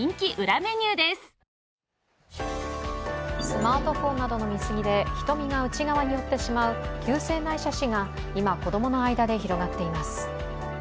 スマートフォンなどの見過ぎて瞳が内側に寄ってしまう急性内斜視が今、子供の間で広がっています。